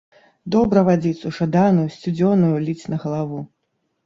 Добра вадзіцу жаданую, сцюдзёнаю ліць на галаву.